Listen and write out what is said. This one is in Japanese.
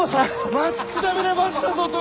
待ちくたびれましたぞ殿！